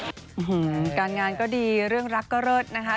อื้อหือการงานก็ดีเรื่องรักก็เร็จนะคะ